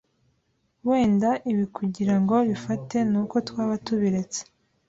wenda ibi kugira ngo bifate ni uko twaba tubiretse